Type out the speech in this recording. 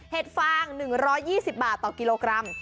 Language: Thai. ฟาง๑๒๐บาทต่อกิโลกรัม